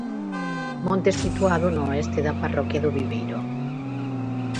Monte situado no oeste da parroquia do Viveiró.